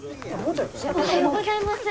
おはようございます。